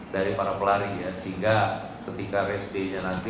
dari para pelari ya sehingga ketika race day nya nanti